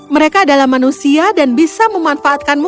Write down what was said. mereka adalah manusia dan bisa memanfaatkanmu